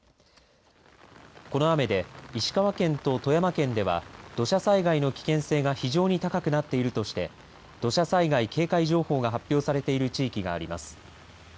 この雨で石川県と富山県では土砂災害の危険性が非常に高くなっているとして土砂災害警戒情報が発表されている地域があります。